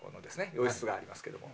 洋室がありますけども。